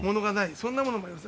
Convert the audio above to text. そんなものもあります。